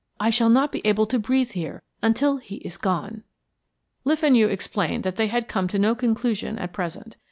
I shall not be able to breathe here until he is gone." Le Fenu explained that they had come to no conclusion at present.